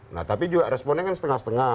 nah tapi juga responnya kan setengah setengah